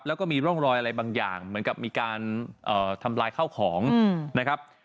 แล้วก็มีร่องรอยอะไรบางอย่างเหมือนกับมีการทำลายข้าวของนะครับ